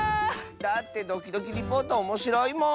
だって「ドキドキリポート」おもしろいもん！